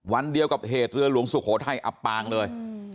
วันเดียวกับเหตุเรือหลวงสุโขทัยอับปางเลย